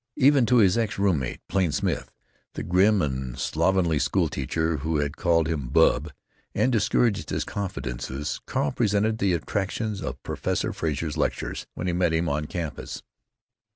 Even to his ex room mate, Plain Smith, the grim and slovenly school teacher who had called him "bub" and discouraged his confidences, Carl presented the attractions of Professor Frazer's lectures when he met him on the campus.